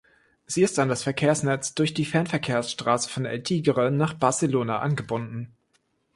Sie ist an das Verkehrsnetz durch die Fernverkehrsstraße von El Tigre nach Barcelona angebunden.